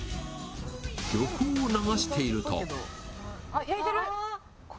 漁港を流していると。